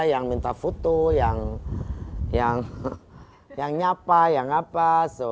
yang minta foto yang nyapa yang apa